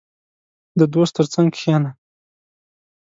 • د دوست تر څنګ کښېنه.